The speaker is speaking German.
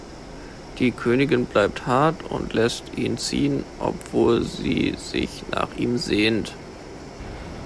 Die Königin bleibt hart und lässt ihn ziehen, obwohl sie sich nach ihm sehnt.